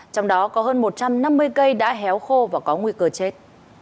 trong đó có hơn một trăm năm mươi cây đã héo khô và có nguy cơ chết